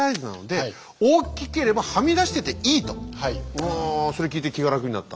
うわそれ聞いて気が楽になった。